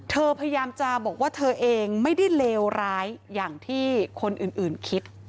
พยายามจะบอกว่าเธอเองไม่ได้เลวร้ายอย่างที่คนอื่นคิด